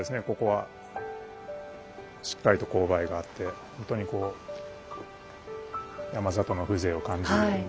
ここはしっかりと勾配があってほんとにこう山里の風情を感じる。